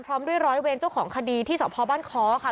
พร้อมด้วยร้อยเวรเจ้าของคดีที่สพบ้านค้อค่ะ